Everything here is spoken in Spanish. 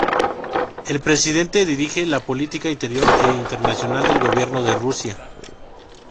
El presidente dirige la política interior e internacional del gobierno de Rusia.